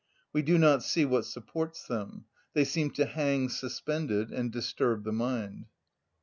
We do not see what supports them; they seem to hang suspended, and disturb the mind.